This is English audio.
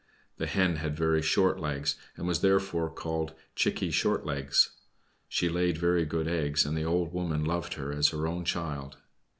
The Hen had very short legs, and was therefore called "Chickie Short legs." She laid very good eggs, and the old woman loved her as her own child.